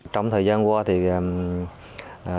trong thời gian này tổng thiệt hại lên đến gần tám trăm linh triệu đồng